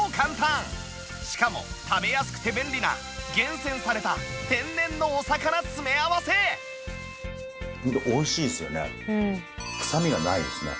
しかも食べやすくて便利な厳選された天然のお魚詰め合わせくさみがないですね。